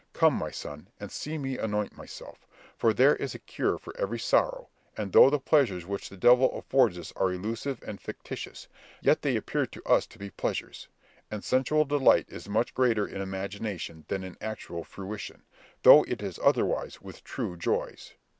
Come, my son, and see me anoint myself; for there is a cure for every sorrow; and though the pleasures which the devil affords us are illusive and fictitious, yet they appear to us to be pleasures; and sensual delight is much greater in imagination than in actual fruition, though it is otherwise with true joys."